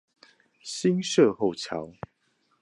新社後橋